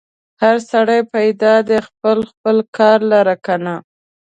هر سړی پیدا دی خپل خپل کار لره کنه.